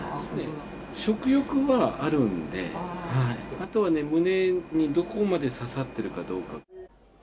食欲はあるんで、あとは胸にどこまで刺さっているかどうか。